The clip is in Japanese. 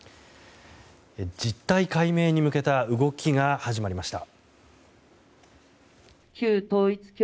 実態解明に向けた動きが始まりました。